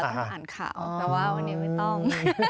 ก็อ่านข่าวแต่ว่าวันนี้ไม่ต้อง